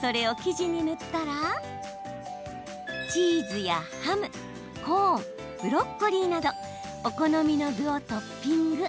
それを生地に塗ったらチーズやハム、コーンブロッコリーなどお好みの具をトッピング。